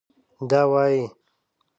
دا وايي